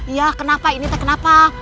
iya kenapa ini teh kenapa